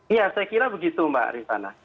iya saya kira begitu mbak rifana